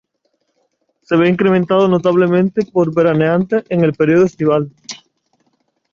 Se ve incrementado notablemente por veraneantes en el periodo estival.